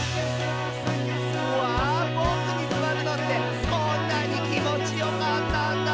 「うわボクにすわるのってこんなにきもちよかったんだ」